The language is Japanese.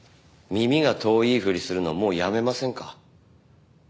耳が遠いふりするのもうやめませんか？